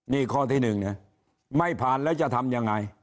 นี่ข้อที่๑เนี่ยไม่ผ่านแล้วจะทำยังไง